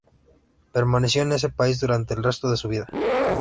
Permaneció en ese país durante el resto de su vida.